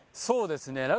そうですね